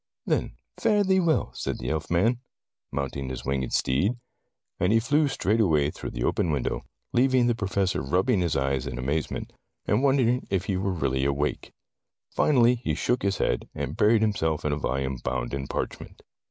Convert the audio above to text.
"Then fare thee well," said the elfman, mounting his winged steed. And he flew straightway through the open window, leav ing the Professor rubbing his eyes in amaze ment, and wondering if he were really awake. Finally he shook his head, and buried himself in a volume bound in parchment.